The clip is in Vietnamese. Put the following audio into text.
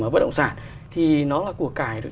bất động sản thì nó là cuộc cải được